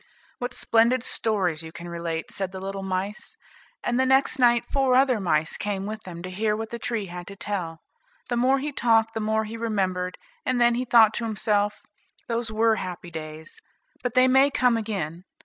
"What splendid stories you can relate," said the little mice. And the next night four other mice came with them to hear what the tree had to tell. The more he talked the more he remembered, and then he thought to himself, "Those were happy days, but they may come again.